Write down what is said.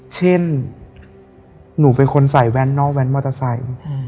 เช่นหนูเป็นคนใส่แว่นนอกแว้นมอเตอร์ไซค์